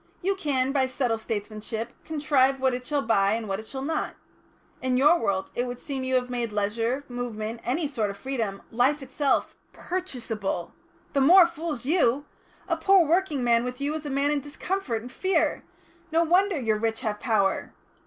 You can, by subtle statesmanship, contrive what it shall buy and what it shall not. In your world it would seem you have made leisure, movement, any sort of freedom, life itself, purchaseable. The more fools you! A poor working man with you is a man in discomfort and fear. No wonder your rich have power.